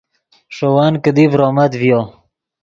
ݰے ون کیدی ڤرومت ڤیو